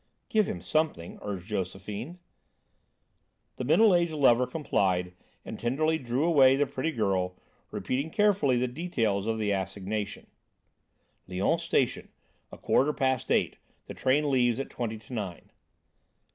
"Give him something," urged Josephine. The middle aged lover complied and tenderly drew away the pretty girl, repeating carefully the details of the assignation: "Lyons Station; a quarter past eight. The train leaves at twenty to nine."